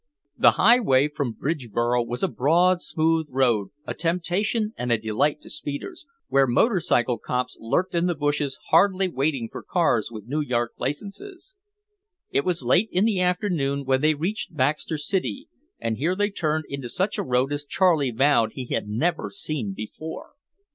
The highway from Bridgeboro was a broad, smooth road, a temptation and a delight to speeders, where motorcycle cops lurked in the bushes hardly waiting for cars with New York licenses. It was late in the afternoon when they reached Baxter City and here they turned into such a road as Charlie vowed he had never seen before.